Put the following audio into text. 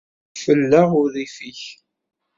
Fuk fell-aɣ urrif-ik!